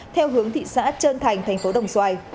theo hướng thị xã trơn thành thành phố đồng xoài